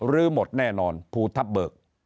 ลื้อหมดแน่นอนภูทับเบิก